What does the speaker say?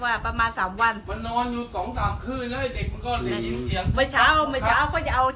กลับมาที่สุดท้ายมีกลุ่มกลับมาที่สุดท้าย